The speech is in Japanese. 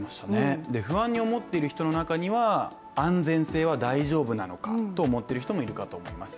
不安に思っている人の中には安全性は大丈夫なのかと思っている人もいるかと思います。